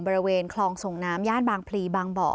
บริเวณคลองส่งน้ำย่านบางพลีบางบ่อ